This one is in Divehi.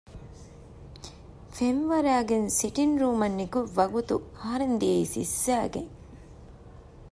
ފެންވަރައިގެން ސިޓިންގ ރޫމަށް ނިކުތް ވަގުތު އަހަރެން ދިޔައީ ސިއްސައިގެން